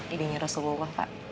ide nya rasulullah pak